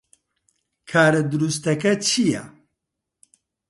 کارە دروستەکە چییە؟